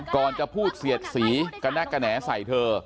ก่อนจะพูดเสียดสีกระแนะกระแหน่ใส่เธอ